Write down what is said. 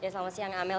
selamat siang amel